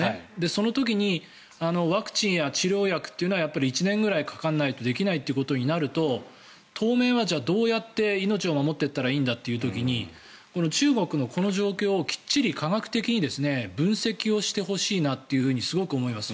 その時にワクチンや治療薬というのは１年ぐらいかからないとできないということになると当面はどうやって命を守っていったらいいんだという時に中国のこの状況をきっちり科学的に分析してほしいなとすごく思います。